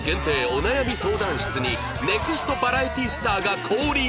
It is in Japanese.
お悩み相談室にネクストバラエティースターが降臨！？